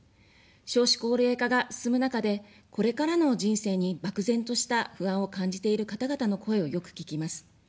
少子高齢化が進む中で、これからの人生に漠然とした不安を感じている方々の声をよく聞きます。